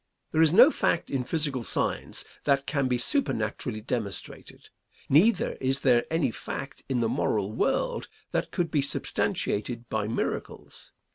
There is no fact in physical science that can be supernaturally demonstrated. Neither is there any fact in the moral world that could be substantiated by miracles.